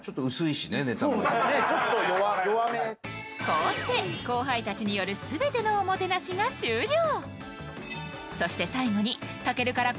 こうして後輩たちによる全てのおもてなしが終了。